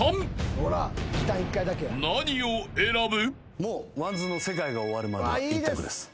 ［何を選ぶ？］